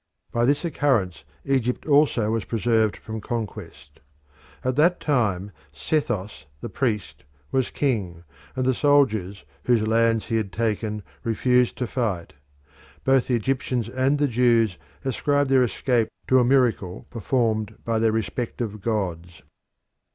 By this occurrence Egypt also was preserved from conquest. At that time Sethos, the priest, was king, and the soldiers, whose lands he had taken, refused to fight. Both the Egyptians and the Jews ascribed their escape to a miracle performed by their respective gods.